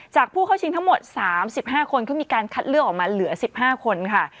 จากผู้เข้าชิงทั้งหมดสามสิบห้าคนก็มีการคัดเลือกออกมาเหลือสิบห้าคนค่ะ